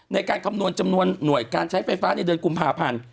ในการคำนวณจำนวนหน่วยการใช้ไฟฟ้าในเดือนกุมภาพันธ์